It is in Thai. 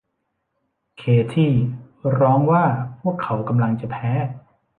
เคธี่ร้องว่าพวกเขากำลังจะแพ้